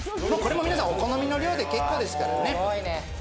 これも皆さん、お好みの量で結構ですからね。